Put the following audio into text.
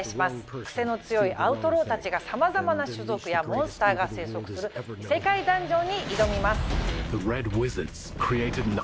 クセの強いアウトローたちがさまざまな種族やモンスターが生息する異世界ダンジョンに挑みます。